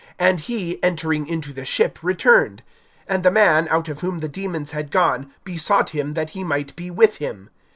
And he, entering into the ship, returned. (38)And the man, out of whom the demons had gone, besought him that he might be with him.